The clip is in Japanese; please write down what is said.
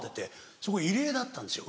そこ入り江だったんですよ